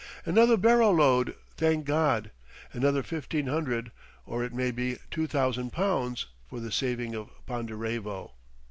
"Another barrow load, thank God! Another fifteen hundred, or it may be two thousand pounds, for the saving of Ponderevo!..."